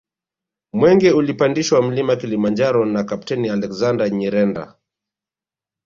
Mwenge ulipandishwa Mlima Kilimanjaro na Kapteni Alexander Nyirenda